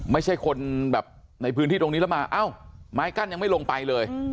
ไม่ใช่คนแบบในพื้นที่ตรงนี้แล้วมาเอ้าไม้กั้นยังไม่ลงไปเลย